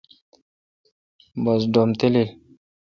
بس ڈوم تلیل ۔